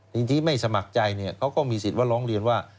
ทีนี้ไม่สมัครใจเขาก็มีสิทธิ์ว่าร้องเรียนว่า